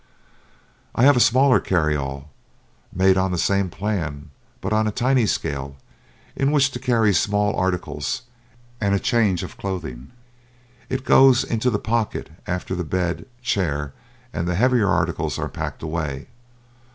I have a smaller carry all made on the same plan, but on a tiny scale, in which to carry small articles and a change of clothing. It goes into the pocket after the bed, chair, and the heavier articles are packed away.